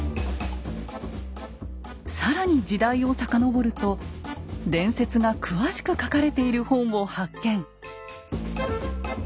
更に時代をさかのぼると伝説が詳しく書かれている本を発見！